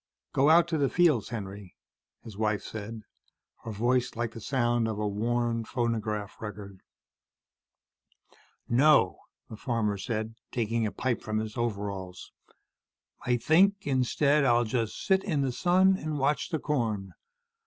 "Go out to the fields, Henry," his wife said, her voice like the sound of a worn phonograph record. "No," the farmer said, taking a pipe from his overalls. "I think instead, I'll just sit in the sun and watch the corn.